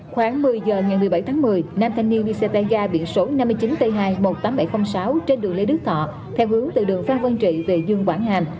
khoảng một mươi giờ ngày một mươi bảy tháng một mươi nam thanh niên đi xe tay ga biển số năm mươi chín t hai một mươi tám nghìn bảy trăm linh sáu trên đường lê đức thọ theo hướng từ đường phan văn trị về dương quảng hành